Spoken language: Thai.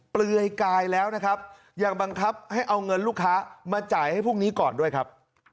เปลือยกายแล้วนะครับยังบังคับให้เอาเงินลูกค้ามาจ่ายให้พวกนี้ก่อนด้วยครับ